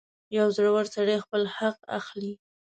• یو زړور سړی خپل حق اخلي.